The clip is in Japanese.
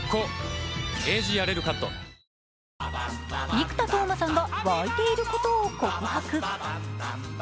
生田斗真さんが沸いていることを告白。